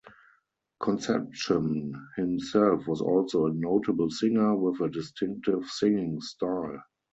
Concepcion himself was also a notable singer, with a distinctive singing style.